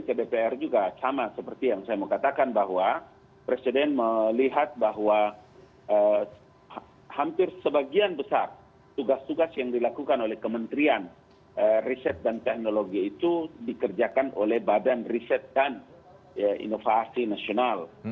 ke dpr juga sama seperti yang saya mau katakan bahwa presiden melihat bahwa hampir sebagian besar tugas tugas yang dilakukan oleh kementerian riset dan teknologi itu dikerjakan oleh badan riset dan inovasi nasional